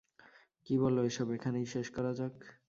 কী বলো এসব এখানেই শেষ করা যাক?